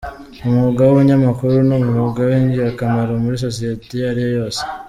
Umwuga w’ubunyamakuru ni umwuga w’ingirakamaro muri sosiyete iyo ariyo yose.